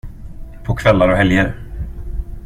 På kvällar och helger.